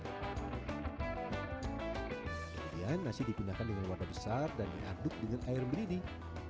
kemudian nasi dipindahkan dengan warna besar dan diaduk dengan air mendidih